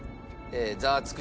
ザワつく！